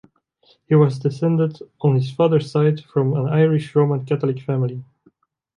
He was descended on his father's side from an Irish Roman Catholic family.